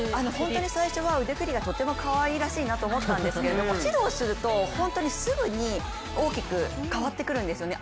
最初は本当に腕振りがとてもかわいらしいなと思ったんですけど指導すると、本当にすぐに大きく変わってくるんですよね。